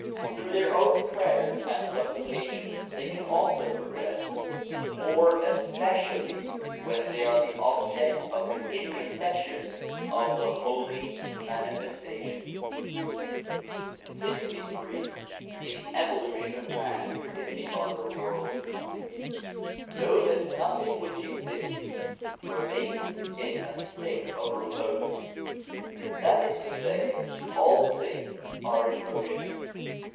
Through their own prayers and supplications they can also progress; more especially when they are the object of the intercession of the Holy Manifestations. /??\ f OF THE I 1IWIWCDOJTV 1 LXIII THE EVOLUTION OF MAN IN THE OTHER WORLD KNOW that nothing which exists remains in a state of repose ; that is to say, all things are in motion.